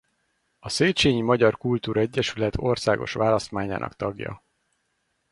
A Széchenyi Magyar Kultúr Egyesület országos választmányának tagja.